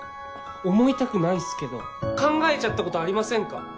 思いたくないっすけど考えちゃったことありませんか？